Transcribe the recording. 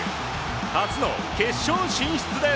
初の決勝進出です。